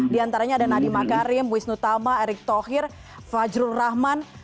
di antaranya ada nadiem makarim wisnu tama erick thohir fajrul rahman